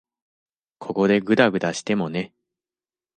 ここでぐだぐだしてもね。